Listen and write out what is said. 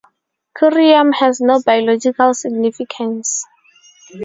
Curium has no biological significance.